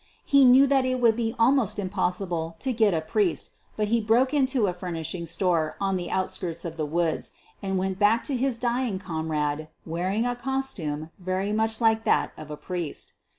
He knew that it would be almost impossible to get a priest, but he broke into a furnishing store on the outskirts of the woods and went back to his dying comrade wearing a costume very much like that of a priest.